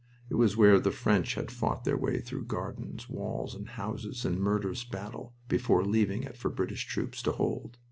It was where the French had fought their way through gardens, walls, and houses in murderous battle, before leaving it for British troops to hold.